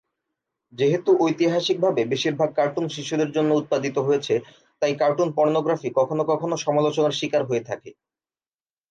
যেহেতু ঐতিহাসিকভাবে বেশিরভাগ কার্টুন শিশুদের জন্য উৎপাদিত হয়েছে, তাই কার্টুন পর্নোগ্রাফি কখনও কখনও সমালোচনার স্বীকার হয়ে থাকে।